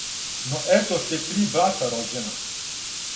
Но ето сте три брата рођена,